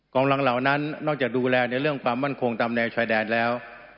กำลังเหล่านั้นนอกจากดูแลในเรื่องความมั่นคงตามแนวชายแดนแล้ว